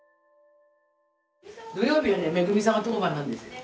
土曜日はねめぐみさんの当番なんですよ。